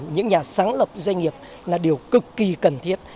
những nhà sáng lập doanh nghiệp là điều cực kỳ cần thiết